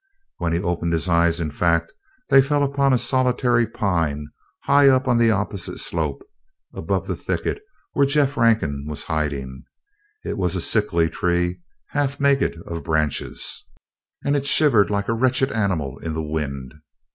When he opened his eyes, in fact, they fell upon a solitary pine high up on the opposite slope, above the thicket where Jeff Rankin was hiding. It was a sickly tree, half naked of branches, and it shivered like a wretched animal in the wind.